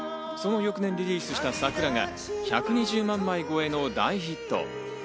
その翌年リリースした『さくら』が１２０万枚超えの大ヒット。